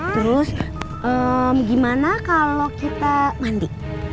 terus gimana kalau kita mandi